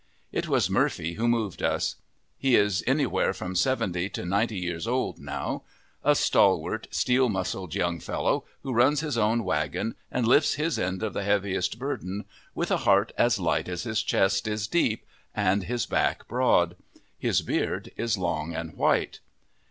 It was Murphy who moved us. He is anywhere from seventy to ninety years old now a stalwart, steel muscled young fellow who runs his own wagon and lifts his end of the heaviest burden with a heart as light as his chest is deep and his back broad. His beard is long and white.